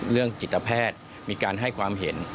ในเรื่องจิตแพทย์มีการให้ความเห็น